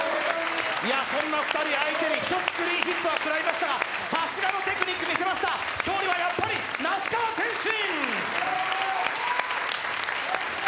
そんな２人相手に、１つクリーンヒットはもらいましたが、さすがのテクニックを見せました、勝利はやっぱり名須川天心！